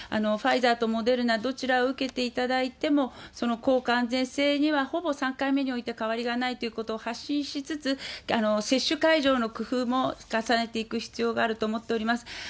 ファイザーとモデルナ、どちらを受けていただいても、その効果、安全性にはほぼ３回目において変わりがないということを発信しつつ、接種会場の工夫も重ねていく必要があると思っております。